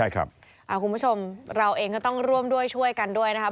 คุณผู้ชมเราเองก็ต้องร่วมด้วยช่วยกันด้วยนะครับ